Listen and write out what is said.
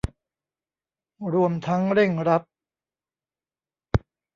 รวมทั้งเร่งรัด